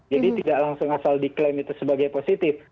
jadi tidak langsung asal diklaim itu sebagai positif